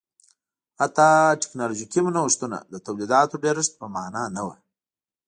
حتی ټکنالوژیکي نوښتونه د تولیداتو ډېرښت په معنا نه و